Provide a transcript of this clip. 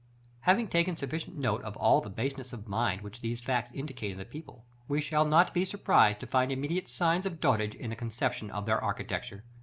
§ XIX. Having taken sufficient note of all the baseness of mind which these facts indicate in the people, we shall not be surprised to find immediate signs of dotage in the conception of their architecture.